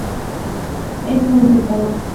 Es buen trepador.